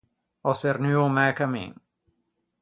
Ò çernuo o mæ cammin.